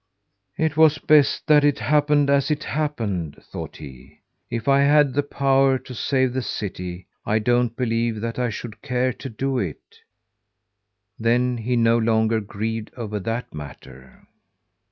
"It was best that it happened as it happened," thought he. "If I had the power to save the city, I don't believe that I should care to do it." Then he no longer grieved over that matter.